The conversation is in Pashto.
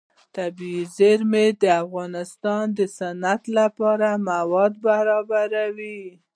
طبیعي زیرمې د افغانستان د صنعت لپاره مواد برابروي.